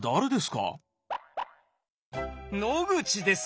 野口ですよ。